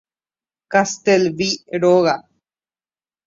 Castelví róga.